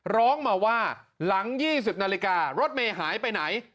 ร้องมาว่าหลัง๒๐นาฬิการถเมย์หายไปไหน